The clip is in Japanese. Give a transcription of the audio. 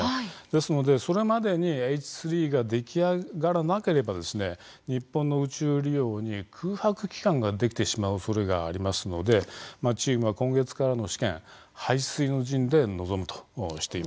ですので、それまでにＨ３が出来上がらなければ日本の宇宙利用に空白期間ができてしまうおそれがありますのでチームは今月からの試験背水の陣で臨むとしています。